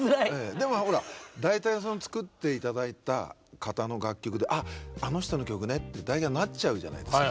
でもほら大体作っていただいた方の楽曲であの人の曲ねって大体なっちゃうじゃないですか。